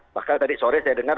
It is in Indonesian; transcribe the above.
bahkan tadi sore saya dengar